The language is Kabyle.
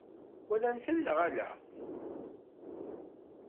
Walan-ten neɣ ala?